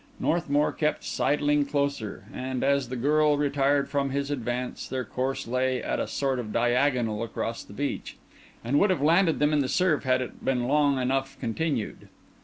Northmour kept sidling closer; and, as the girl retired from his advance, their course lay at a sort of diagonal across the beach, and would have landed them in the surf had it been long enough continued.